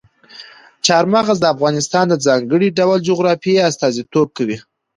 چار مغز د افغانستان د ځانګړي ډول جغرافیې استازیتوب کوي.